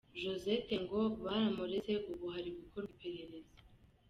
Josette ngo baramureze, ubu hari gukorwa iperereza.